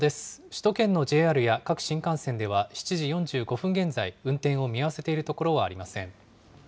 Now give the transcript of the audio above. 首都圏のＪＲや各新幹線では、７時４５分現在、運転を見合わせているところはありません。